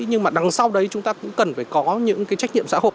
nhưng mà đằng sau đấy chúng ta cũng cần phải có những cái trách nhiệm xã hội